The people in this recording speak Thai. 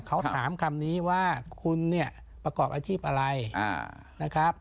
เขาถามคำนี้ว่าคุณเนี่ยประกอบอาชีพอะไรนะครับ